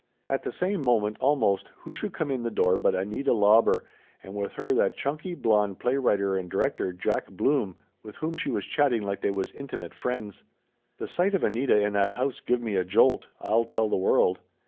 At the same moment, almost, who should come in the door but Anita Lauber, and with her that chunky blond play writer and director, Jack Blum, with whom she was chatting like they was intimate friends. The sight of Anita in that house give me a jolt, I'll tell the world